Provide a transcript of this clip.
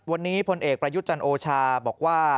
วันนี้พลเอกประยุทธ์จันโอชาบอกว่า